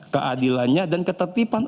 keadilannya dan ketetipan